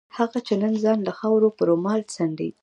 هغه چې نن ځان له خاورو په رومال څنډي.